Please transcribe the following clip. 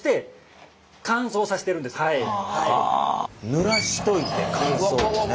ぬらしといて乾燥ってね。